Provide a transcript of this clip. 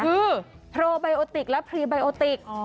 คือโพลไบโอติกและพรีไบโอติก